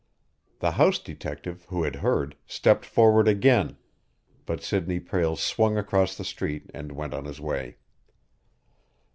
The house detective, who had heard, stepped forward again, but Sidney Prale swung across the street and went on his way.